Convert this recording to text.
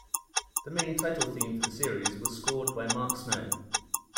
The main title theme for the series was scored by Mark Snow.